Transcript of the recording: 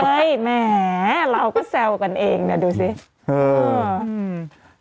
แหมเราก็แซวกันเองเนี่ยดูสิ